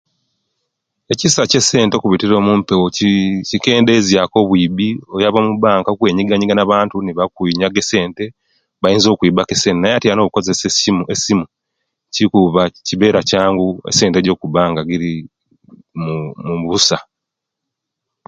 Ekisa kye sente okubitira munpewo kiii kikendezya ku obuibi oyaba mubanka okweyigayiga na bantu nebakunyaga esente bayinza okwibaku esente naye tyanu obwokoyesa esimu esimu kikuba kiba kyangu esente jo okuba nga giri mubusa